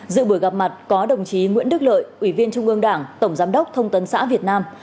dự buổi gặp mặt có đồng chí nguyễn đức lợi ủy viên trung ương đảng tổng giám đốc thông tấn xã việt nam